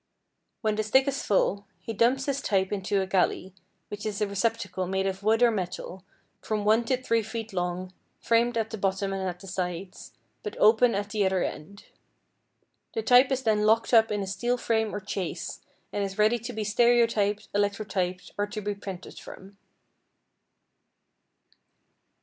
When the stick is full, he dumps his type into a galley, which is a receptacle made of wood or metal, from one to three feet long, framed at the bottom and at the sides, but open at the other end. The type is then locked up in a steel frame or chase, and is ready to be stereotyped, electrotyped, or to be printed from.